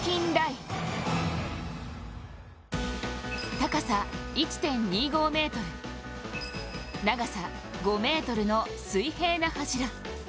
高さ１．２５ｍ、長さ５ｍの水平な柱。